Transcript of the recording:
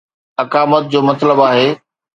اقامت جو مطلب آهي